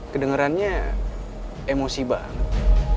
kedengerannya emosi banget